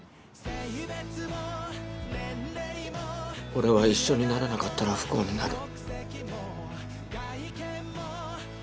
俺は一緒にならなかったら不幸になる。